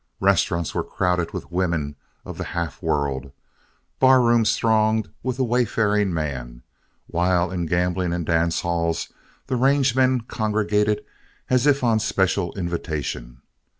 Restaurants were crowded with women of the half world, bar rooms thronged with the wayfaring man, while in gambling and dance halls the range men congregated as if on special invitation.